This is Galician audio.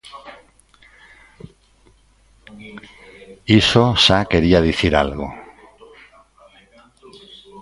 Iso xa quería dicir algo.